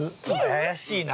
怪しいな。